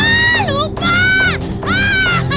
aduh mana aduh aduh aduh aduh